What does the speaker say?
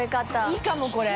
いいかもこれ。